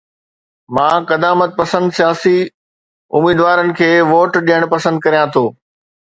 مان قدامت پسند سياسي اميدوارن کي ووٽ ڏيڻ پسند ڪريان ٿو